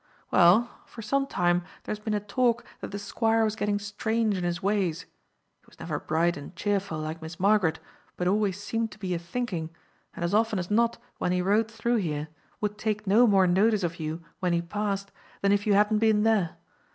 "Well, for some time there has been a talk that the Squire was getting strange in his ways. He was never bright and cheerful like Miss Margaret, but always seemed to be a thinking, and as often as not when he rode through here, would take no more notice of you when he passed than if you hadn't been there.